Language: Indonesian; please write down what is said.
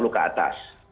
lima puluh ke atas